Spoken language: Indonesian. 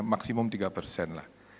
maksimum tiga persen lah